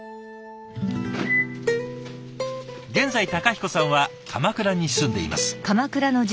現在孝彦さんは鎌倉に住んでいます。